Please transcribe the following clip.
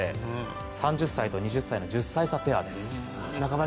３０歳と２０歳の１０歳差ペアです。